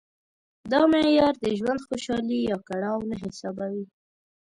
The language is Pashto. دا معیار د ژوند خوشالي یا کړاو نه حسابوي.